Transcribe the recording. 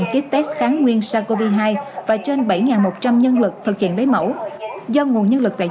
ký test kháng nguyên sars cov hai và trên bảy một trăm linh nhân lực thực hiện lấy mẫu do nguồn nhân lực vệ